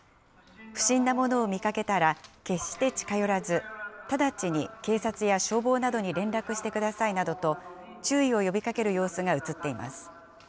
不審なものを見かけたら決して近寄らず、直ちに警察や消防などに連絡してくださいなどと、注意を呼びかける様子が写っています。